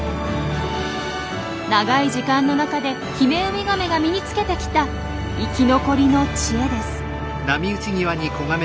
長い時間の中でヒメウミガメが身につけてきた生き残りの知恵です。